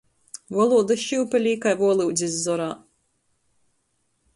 Volūdys šyupelī kai vuolyudzis zorā.